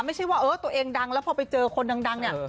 ไม่ใช่ว่าเออตัวเองดังแล้วพอไปเจอคนดังเนี่ย